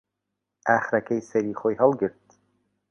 ئاخرەکەی سەری خۆی هەڵگرت